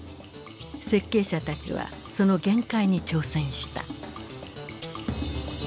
設計者たちはその限界に挑戦した。